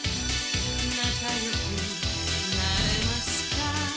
「なかよくなれますか」